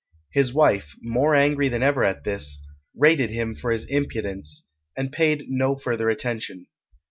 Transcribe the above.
His wife, more angry than ever at this, rated him for his impudence, and paid no further attention.